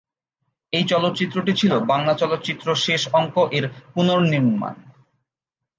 এই চলচ্চিত্রটি ছিলো বাংলা চলচ্চিত্র "শেষ অঙ্ক"-এর পুনর্নির্মাণ।